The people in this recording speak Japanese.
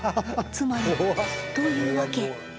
つまりというわけ。